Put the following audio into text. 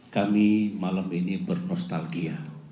kami malam ini bernostalgia